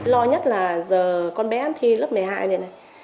lo nhất là giờ con bé ăn thi lớp một mươi hai này này